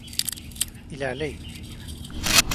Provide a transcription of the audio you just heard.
İlerleyin.